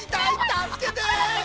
たすけて！